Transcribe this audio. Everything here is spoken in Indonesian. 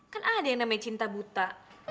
kan ada yang namanya cinta buta